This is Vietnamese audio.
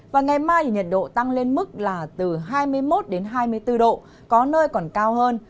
và ngày mai thì nhiệt độ tăng lên mức là từ hai mươi một đến hai mươi bốn độ có nơi còn cao hơn